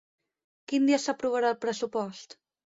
Quin dia s'aprovarà el pressupost?